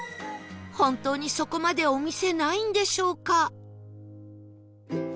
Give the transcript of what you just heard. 本当にそこまでお店ないんでしょうか？